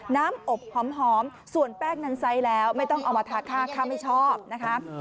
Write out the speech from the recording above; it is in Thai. น้ำอบหอมส่วนแป้งนั้นไซส์แล้วไม่ต้องเอามาทาค่าค่าไม่ชอบนะคะ